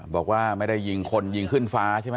บอกว่าไม่ได้ยิงคนยิงขึ้นฟ้าใช่ไหม